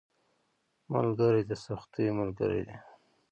ملګری د سختیو ملګری دی